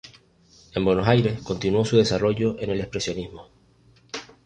En Buenos Aires continuó su desarrollo en el expresionismo.